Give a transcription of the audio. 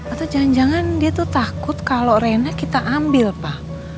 atau jangan jangan dia tuh takut kalau rena kita ambil pak